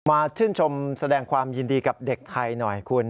ชื่นชมแสดงความยินดีกับเด็กไทยหน่อยคุณ